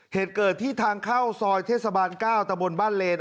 เหตุเกิดที่ทางเข้าซอยเทศบาล๙ตะบนบ้านเลน